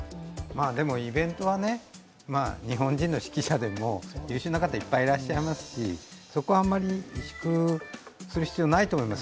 でもイベントは日本人の指揮者でも優秀な方いっぱいいらっしゃいますし、そこはあまり自粛する必要はないと思います。